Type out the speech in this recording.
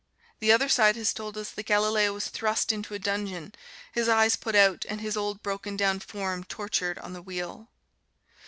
The other side has told us that Galileo was thrust into a dungeon, his eyes put out, and his old broken down form tortured on the wheel.